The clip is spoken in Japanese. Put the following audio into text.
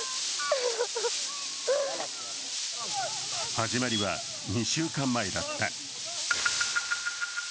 始まりは２週間前だった。